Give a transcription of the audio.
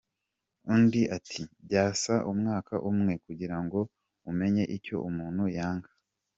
Undi ati“ Byasaba umwaka umwe kugira ngo umenye icyo umuntu yanga, akunda n’ibindi.